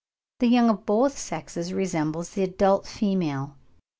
the young of both sexes resemble the adult female.